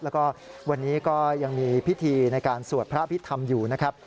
แล้วก็วันนี้ก็ยังมีพิธีในการสวดพระอภิษฐรรมอยู่นะครับ